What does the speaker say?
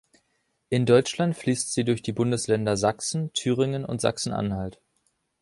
In Deutschland fließt sie durch die Bundesländer Sachsen, Thüringen und Sachsen-Anhalt.